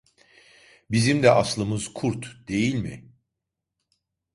Bizim de aslımız kurt değil mi?